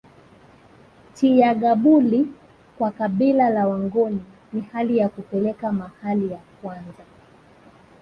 Chiyagabuli kwa kabila la wangoni ni hali ya kupeleka mahali ya kwanza